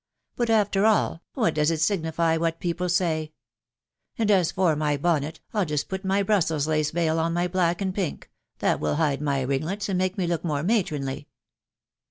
... But, after all, what does it signify what people say ?.... And as for my bonnet, I'll just put my Brussels lace veil on my black and pink ; that will hide my ringlets, and make me look more matronly."